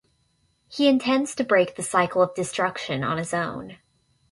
He intends to break the cycle of destruction on his own.